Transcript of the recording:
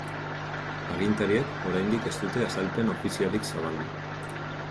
Agintariek oraindik ez dute azalpen ofizialik zabaldu.